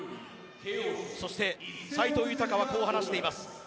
そして、斎藤裕はこう話しています。